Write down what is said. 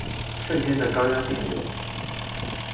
瞬间的高压电流